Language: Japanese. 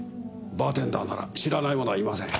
バーテンダーなら知らない者はいません。